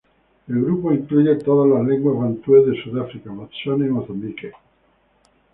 El grupo incluye todas las lenguas bantúes de Sudáfrica, Botswana y Mozambique.